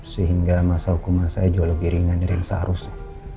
sehingga masa hukuman saya jauh lebih ringan dari yang seharusnya